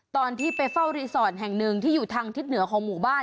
ตอนที่ไปเฝ้ารีสอร์ทแห่งหนึ่งที่อยู่ทางทิศเหนือของหมู่บ้าน